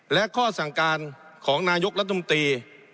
และข้อสั่งการของนายกรัฐมนตรี